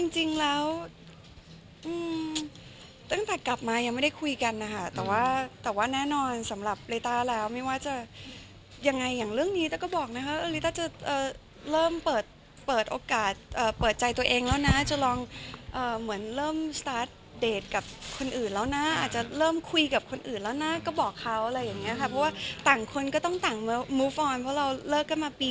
จริงแล้วตั้งแต่กลับมายังไม่ได้คุยกันนะคะแต่ว่าแต่ว่าแน่นอนสำหรับลิต้าแล้วไม่ว่าจะยังไงอย่างเรื่องนี้ต้าก็บอกนะคะลิต้าจะเริ่มเปิดโอกาสเปิดใจตัวเองแล้วนะจะลองเหมือนเริ่มสตาร์ทเดทกับคนอื่นแล้วนะอาจจะเริ่มคุยกับคนอื่นแล้วนะก็บอกเขาอะไรอย่างนี้ค่ะเพราะว่าต่างคนก็ต้องต่างมูฟอนเพราะเราเลิกกันมาปี๒